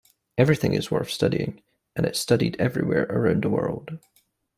Everything is worth studying, and it's studied everywhere around the world.